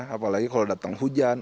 apalagi kalau datang hujan